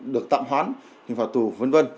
được tạm hoán hình phạt tù v v